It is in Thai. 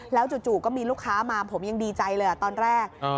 แล้วจู่ก็มีลูกค้ามาผมยังดีใจเลยตอนแรก